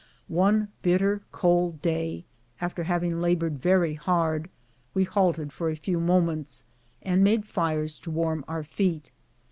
One bitter cold day, after having labored very hard, we halted for a few moments, and made fires to warm our feet.